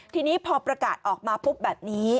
ทีนี้พอประกาศออกมาปุ๊บแบบนี้